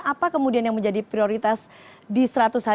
apa kemudian yang menjadi prioritas di seratus hari pertama pak ari